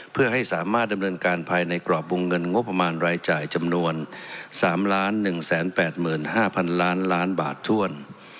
เพื่อให้สามารถดำเนินการภายในกรอบวงเงินงบประมาณรายจ่ายจำนวน๓๑๘๕๐๐๐ล้านล้านบาทถ้วน